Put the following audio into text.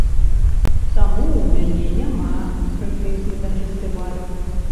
Таму ў мяне няма прэтэнзій да фестывалю.